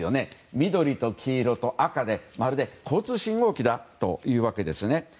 緑と黄色と赤で、まるで交通信号機だというわけですね。